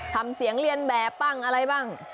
ทำเสียงเรียนแบบบ้างอะไรบ้าง